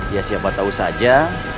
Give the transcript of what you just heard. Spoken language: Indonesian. ya siapa tahu saja